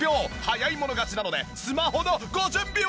早い者勝ちなのでスマホのご準備を！